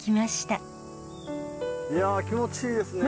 いや気持ちいいですね。